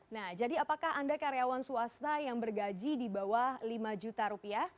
nah jadi apakah anda karyawan swasta yang bergaji di bawah lima juta rupiah